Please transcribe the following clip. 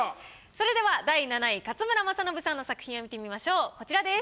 それでは第７位勝村政信さんの作品を見てみましょうこちらです。